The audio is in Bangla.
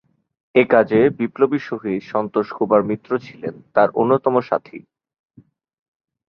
একাজে বিপ্লবী শহীদ সন্তোষ কুমার মিত্র ছিলেন তার অন্যতম সাথী।